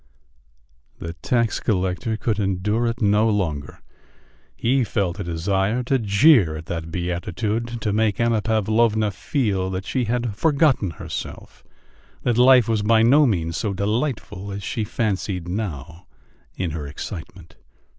The tax collector could endure it no longer; he felt a desire to jeer at that beatitude, to make Anna Pavlovna feel that she had forgotten herself, that life was by no means so delightful as she fancied now in her excitement....